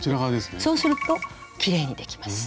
そうするときれいにできます。